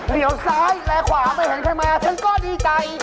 ซ้ายแลขวาไม่เห็นใครมาฉันก็ดีใจ